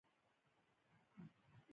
باد د غروب سره نغمه لولي